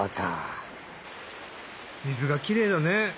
水がきれいだね。